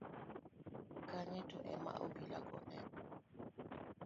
kanye to ema obila go noneno